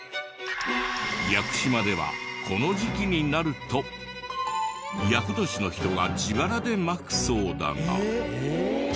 屋久島ではこの時期になると厄年の人が自腹でまくそうだが。